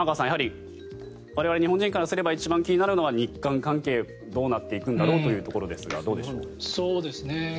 やはり我々日本人からすれば一番気になるのは日韓関係がどうなっていくのかというところですがどうでしょう。